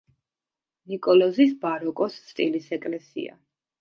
ნიკოლოზის ბაროკოს სტილის ეკლესია.